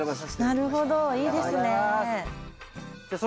なるほどいいですね。